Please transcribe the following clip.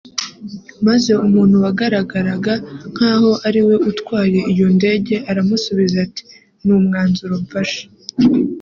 maze umuntu wagaragaraga nk’aho ari we utwaye iyo ndege aramusubiza ati ” ni umwanzuro mfashe